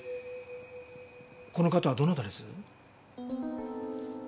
この方はどなたです？